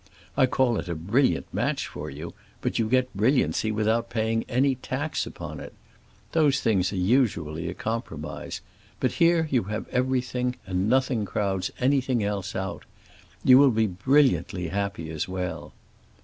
I call it a brilliant match for you, but you get brilliancy without paying any tax upon it. Those things are usually a compromise, but here you have everything, and nothing crowds anything else out. You will be brilliantly happy as well."